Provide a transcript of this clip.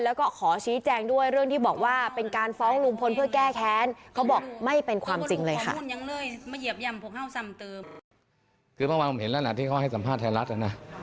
แล้วก็ขอชี้แจ้งด้วยเรื่องที่บอกว่าเป็นการฟ้องลุงพลเพื่อแก้แค้น